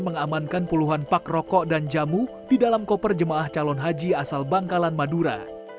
mengamankan puluhan pak rokok dan jamu di dalam koper jemaah calon haji asal bangkalan madura